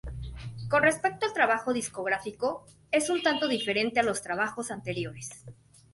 Con respecto al trabajo discográfico, es un tanto diferente a los trabajos anteriores.